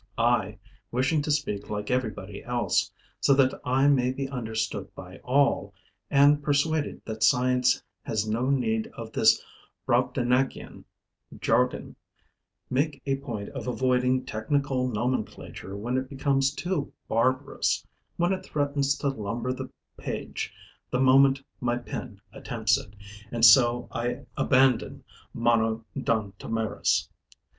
I, wishing to speak like everybody else, so that I may be understood by all, and persuaded that science has no need of this Brobdignagian jargon, make a point of avoiding technical nomenclature when it becomes too barbarous, when it threatens to lumber the page the moment my pen attempts it. And so I abandon Monodontomerus.